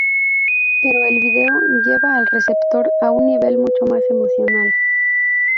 Pero el vídeo lleva al receptor a un nivel mucho más emocional".